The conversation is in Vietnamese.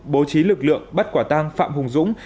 bố trí lực lượng bắt quả tang phạm hùng dũng